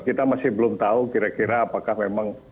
kita masih belum tahu kira kira apakah memang